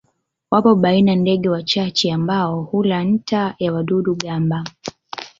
Wapo baina ndege wachache ambao hula nta ya wadudu-gamba.